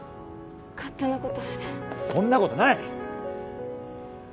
勝手なことしてそんなことない！